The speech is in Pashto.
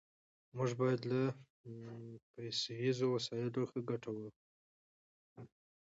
موږ بايد له پيسيزو وسايلو ښه ګټه واخلو.